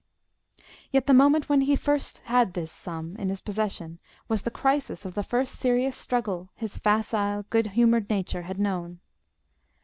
Yet the moment when he first had this sum in his possession was the crisis of the first serious struggle his facile, good humoured nature had known.